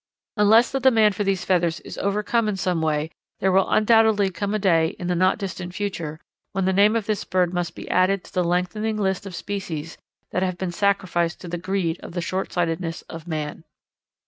Unless the demand for these feathers is overcome in some way there will undoubtedly come a day in the not distant future when the name of this bird must be added to the lengthening list of species that have been sacrificed to the greed of the shortsightedness of man.